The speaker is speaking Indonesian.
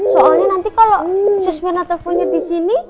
soalnya nanti kalo susmina telponnya disini